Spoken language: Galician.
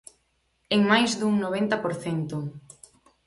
En máis dun noventa por cento.